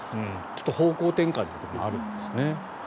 ちょっと方向転換というところもあるんですね。